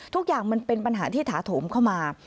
ทุกอย่างมันเป็นปัญหาที่ถาโถมเข้ามา